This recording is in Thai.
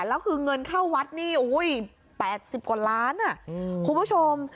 แล้วคือเงินเข้าวัดนี่๘๐กว่าล้านคุณผู้ชม